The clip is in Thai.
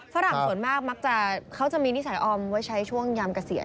ฝรั่งส่วนมากมักจะเขาจะมีนิสัยออมไว้ใช้ช่วงยามเกษียณ